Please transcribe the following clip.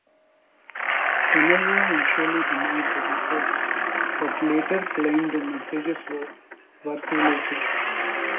Kanerva initially denied the reports but later claimed the messages were work related.